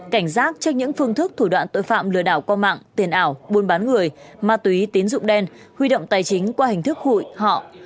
cảnh giác trước những phương thức thủ đoạn tội phạm lừa đảo qua mạng tiền ảo buôn bán người ma túy tín dụng đen huy động tài chính qua hình thức hụi họ